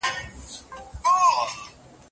هغه یو بډای مګر بې تجربه ځوان و.